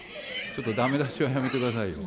ちょっとだめだしはやめてくださいよ。